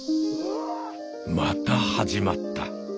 また始まった。